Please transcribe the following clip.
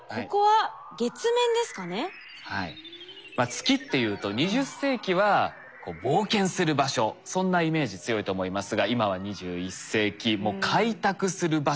月っていうと２０世紀は冒険する場所そんなイメージ強いと思いますが今は２１世紀もう開拓する場所となってきました。